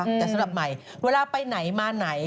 แต่สำหรับใหม่เวลาไปไหนมาไหน